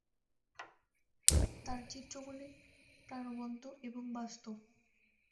তার চিত্রগুলি প্রাণবন্ত এবং বাস্তব।